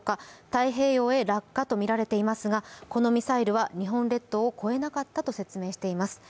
太平洋へ落下とみられていますが、このミサイルは日本列島を越えなかったと説明しています。